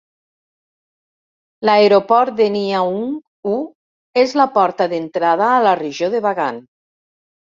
L'aeroport de Nyaung U és la porta d'entrada a la regió de Bagan.